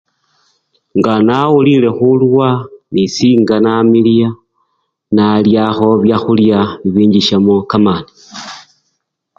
Nga nawulile khuluwa, nisinga namiliya, nalyakho byakhulya bibinchisamo kamani.